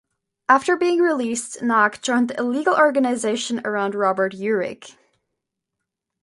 After being released, Knaack joined the illegal organization around Robert Uhrig.